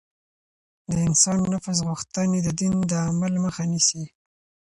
د انسان نفس غوښتنې د دين د عمل مخه نيسي.